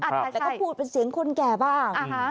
อาจจะก็พูดเป็นเสียงคนแก่บ้าง